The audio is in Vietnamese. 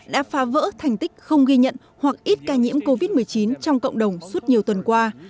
đã phá vỡ thành tích không ghi nhận hoặc ít ca nhiễm covid một mươi chín trong cộng đồng suốt nhiều tuần qua